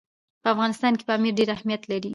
په افغانستان کې پامیر ډېر اهمیت لري.